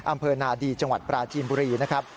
อำเภอนาดีจังหวัดปราจีนบุรีนะครับ